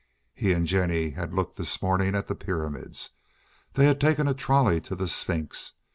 He and Jennie had looked this morning on the pyramids. They had taken a trolley to the Sphinx!